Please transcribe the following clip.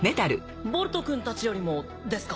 ボルトくんたちよりもですか？